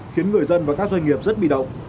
khiến người dân và các doanh nghiệp rất bị động